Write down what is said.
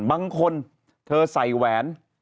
บางคนเธอใส่แหวน